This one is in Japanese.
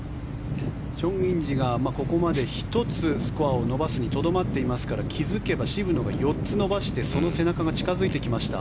チョン・インジがここまで１つスコアを伸ばすにとどまっていますから気付けば渋野が４つ伸ばしてその背中が近付いてきました。